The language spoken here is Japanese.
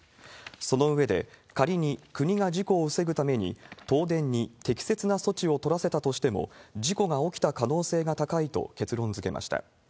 その上で、仮に国が事故を防ぐために東電に適切な措置を取らせたとしても、事故が起きた可能性が高いと結論づけました。